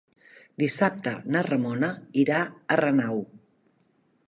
Dissabte na Ramona irà a Renau.